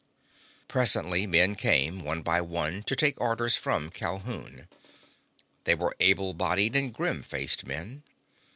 Presently men came, one by one, to take orders from Calhoun. They were able bodied and grim faced men.